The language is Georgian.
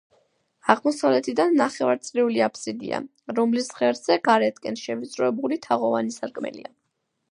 აღმოსავლეთით ნახევარწრიული აბსიდია, რომლის ღერძზე გარეთკენ შევიწროვებული თაღოვანი სარკმელია.